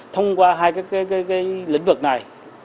thông qua hai lĩnh vực này